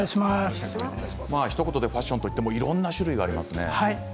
ひと言でファッションと言ってもいろいろありますね。